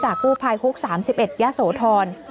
จากผู้ภายคุก๓๑ยะโสธร